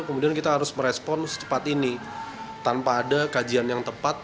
kemudian kita harus merespon secepat ini tanpa ada kajian yang tepat